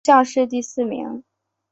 山东乡试第四名。